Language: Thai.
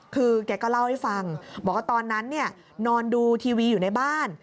คือแกก็เล่าให้ฟังบอกว่าตอนนั้นนอนดูทีวีอยู่ในบ้าน